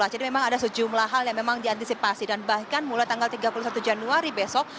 jadi memang ada sejumlah hal yang memang diantisipasi dan bahkan mulai tanggal tiga puluh satu januari besok